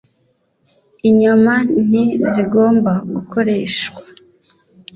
Inyama nti zigomba gukoreshwa